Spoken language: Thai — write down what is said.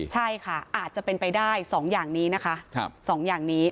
ใช่ค่ะอาจจะเป็นไปได้๒อย่างนี้นะคะ